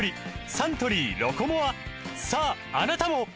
サントリー「ロコモア」さああなたも！